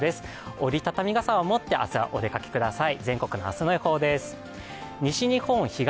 折り畳み傘を持って明日はお出かけください。